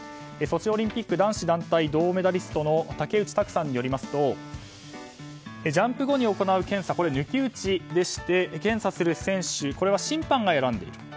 ソチオリンピック男子団体銅メダリストの竹内択さんによりますとジャンプ後に行う検査は抜き打ちでして検査する選手は審判が選んでいる。